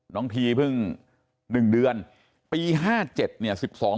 น้องทีเพิ่ง๑เดือนปี๕๗สิบสอง